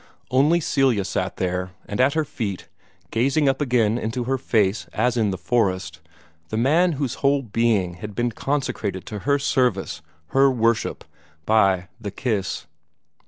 Only Celia sat there, and at her feet, gazing up again into her face as in the forest, the man whose whole being had been consecrated to her service, her worship, by the kiss.